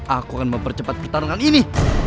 aku akan mempercepat pertarungan ini